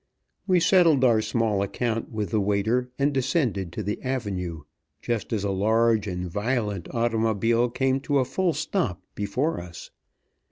We settled our small account with the waiter, and descended to the avenue, just as a large and violent automobile came to a full stop before us.